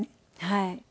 はい。